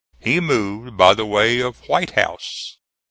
He moved by the way of White House.